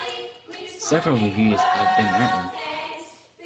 Several reviews have been written.